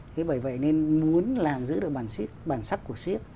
thế bởi vậy nên muốn làm giữ được bản sắc của siếc